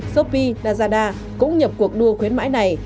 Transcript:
shopee nasdaq cũng nhập cuộc đua khuyến mãi này